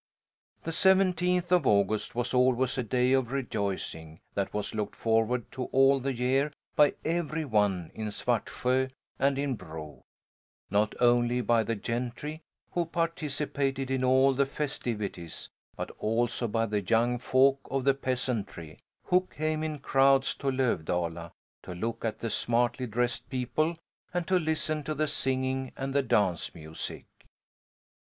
The seventeenth of August was always a day of rejoicing that was looked forward to all the year by every one in Svartsjö and in Bro, not only by the gentry, who participated in all the festivities, but also by the young folk of the peasantry, who came in crowds to Lövdala to look at the smartly dressed people and to listen to the singing and the dance music.